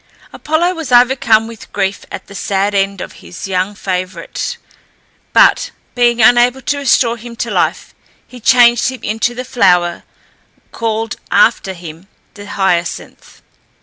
Apollo was overcome with grief at the sad end of his young favourite, but being unable to restore him to life, he changed him into the flower called after him the Hyacinth.